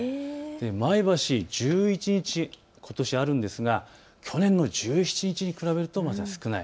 前橋、１１日、ことしあるんですが去年の１７日に比べると少ない。